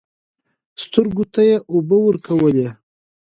سترګو ته يې اوبه ورکولې .